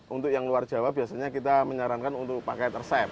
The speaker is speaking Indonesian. untuk yang luar jawa biasanya kita menyarankan untuk pakai resep